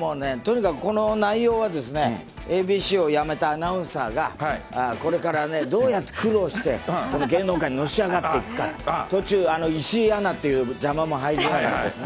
もうね、とにかくこの内容は、ＡＢＣを辞めたアナウンサーが、これからね、どうやって苦労して、芸能界にのし上がっていくか、途中、石井アナっていう邪魔者入りましてですね。